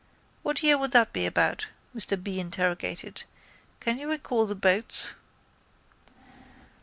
—What year would that be about? Mr B interrogated. Can you recall the boats?